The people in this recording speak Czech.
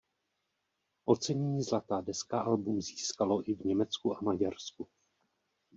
Ocenění zlatá deska album získalo i v Německu a Maďarsku.